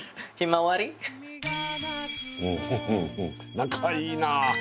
仲いいなぁ。